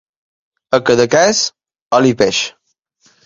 A Cadaqués, oli i peix.